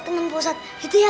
kau boleh teman ustadz gitu ya